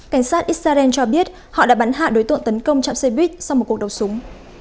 cảnh sát israel cho biết họ đã bắn hạ đối tượng tấn công trạm xe buýt sau một cuộc đấu súng